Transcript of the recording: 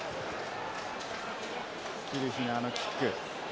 キルヒナーのキック。